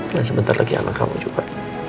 dan sebentar lagi anak kamu juga